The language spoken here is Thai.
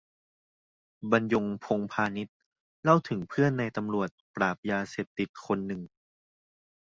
บรรยง พงษ์พานิช เล่าถึงเพื่อนนายตำรวจปราบยาเสพติดคนหนึ่ง